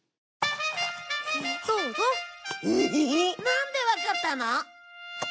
なんでわかったの？